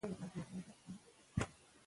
اداري ټاکنې مناسبې نه دي.